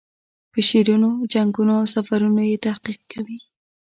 په شعرونو، جنګونو او سفرونو یې تحقیق کوي.